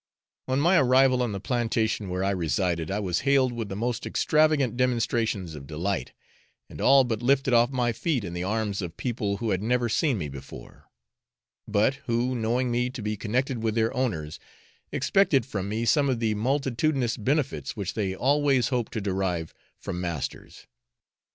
On my arrival on the plantation where I resided, I was hailed with the most extravagant demonstrations of delight, and all but lifted off my feet in the arms of people who had never seen me before; but who, knowing me to be connected with their owners, expected from me some of the multitudinous benefits which they always hope to derive from masters.